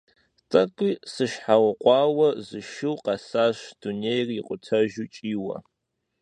ТӀэкӀуи сыщхьэукъуауэ, зы шу къэсащ дунейр икъутэжу кӀийуэ.